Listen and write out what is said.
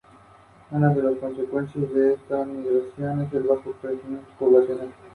Poco antes de su muerte, fue elegido para el Senado italiano.